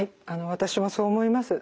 私もそう思います。